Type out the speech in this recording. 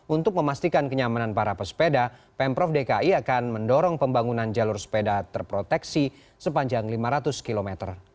untuk memastikan kenyamanan para pesepeda pemprov dki akan mendorong pembangunan jalur sepeda terproteksi sepanjang lima ratus km